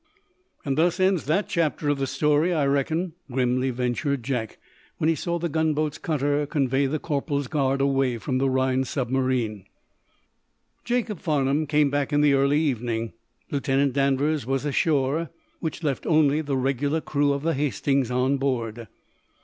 "And thus ends that chapter of the story, I reckon," grimly ventured Jack, when he saw the gunboat's cutter convey the corporal's guard away from the Rhinds submarine. Jacob Farnum came back in the early evening. Lieutenant Danvers was ashore, which left only the regular crew of the "Hastings" on board.